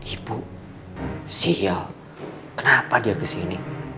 ibu sihil kenapa dia kesini